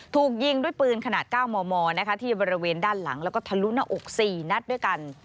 ถูกยิงด้วยปืนขนาด๙มมที่บริเวณด้านหลังแล้วก็ทะลุหน้าอก๔นัดด้วยกัน